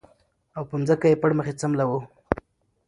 او پر ځمکه یې پړ مخې سملاوه